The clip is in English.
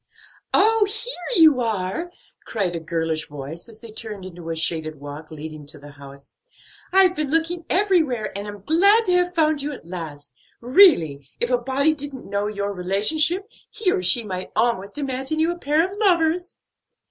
"Oh, here you are!" cried a girlish voice as they turned into a shaded walk leading to the house. "I've been looking everywhere and am glad to have found you at last. Really, if a body didn't know your relationship, he or she might almost imagine you a pair of lovers."